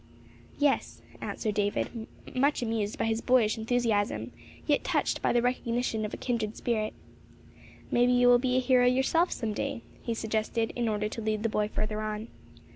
"Yes," answered David, amused by his boyish enthusiasm, yet touched by the recognition of a kindred spirit. "May be you will be a hero yourself, some day," he suggested in order to lead the boy further on.